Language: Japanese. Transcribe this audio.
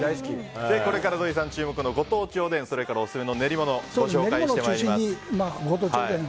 これから土井さん注目のご当地おでん、それから練り物をご紹介して参りましょう。